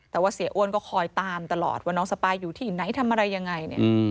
แต่ว่าเสียอ้วนก็คอยตามตลอดว่าน้องสปายอยู่ที่ไหนทำอะไรยังไงเนี่ย